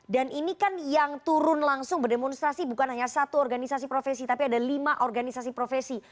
dan ini kan yang turun langsung berdemonstrasi bukan hanya satu organisasi profesi tapi ada lima organisasi profesi